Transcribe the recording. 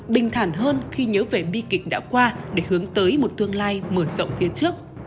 bình thản hơn khi nhớ về bi kịch đã qua để hướng tới một tương lai mở rộng phía trước